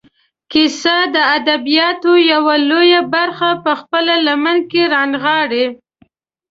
کیسه د ادبیاتو یوه لویه برخه په خپله لمن کې رانغاړي.